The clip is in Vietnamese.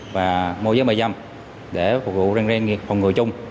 và mô giới mại dâm để phục vụ rèn rèn nghiệp phòng ngừa chung